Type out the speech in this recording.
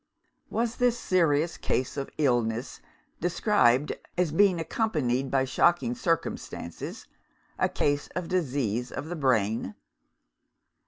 Was this "serious case of illness" described as being "accompanied by shocking circumstances" a case of disease of the brain?